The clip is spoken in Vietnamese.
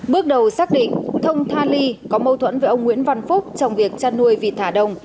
bước đầu xác định thông tha ly có mâu thuẫn với ông nguyễn văn phúc trong việc chăn nuôi vịt thả đồng